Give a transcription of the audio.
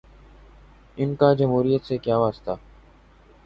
ان کا جمہوریت سے کیا واسطہ۔